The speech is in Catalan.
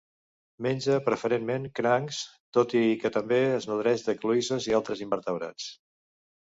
Menja preferentment crancs, tot i que també es nodreix de cloïsses i d'altres invertebrats.